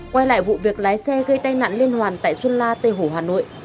quay lại vụ việc lái xe gây tai nạn liên hoàn tại xuân la tây hồ hà nội